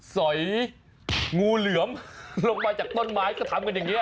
สอยงูเหลือมลงมาจากต้นไม้ก็ทำกันอย่างนี้